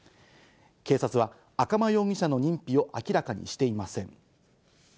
警察は、赤間容疑者の認否を明らかにしていません。